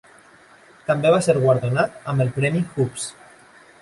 També va ser guardonat amb el premi Hoopes.